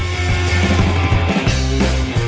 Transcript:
สวัสดีครับสวัสดีครับสวัสดีครับสวัสดีครับสวัสดีครับ